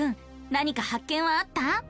なにか発見はあった？